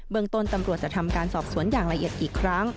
เมืองต้นตำรวจจะทำการสอบสวนอย่างละเอียดอีกครั้ง